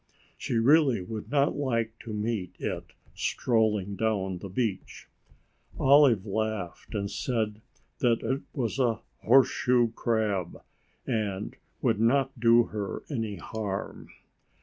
She really would not like to meet it strolling down the beach. Olive laughed and said that it was a horseshoe crab and would not do her any harm.